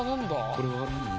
「これは何？」